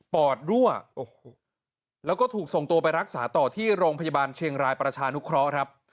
อดรั่วแล้วก็ถูกส่งตัวไปรักษาต่อที่โรงพยาบาลเชียงรายประชานุเคราะห์ครับ